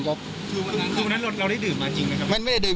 รถใจพี่เขาได้ดื่มมาจริงไหมครับ